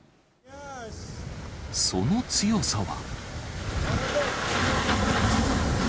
その強さは。